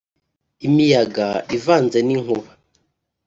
imiyaga ivanze n’inkuba